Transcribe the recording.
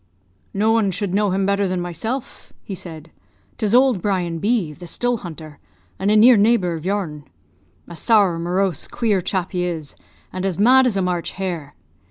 "No one should know him better than myself," he said; "'tis old Brian B , the still hunter, and a near neighbour of your'n. A sour, morose, queer chap he is, and as mad as a March hare!